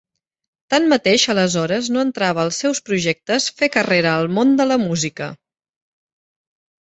Tanmateix aleshores no entrava als seus projectes fer carrera al món de la música.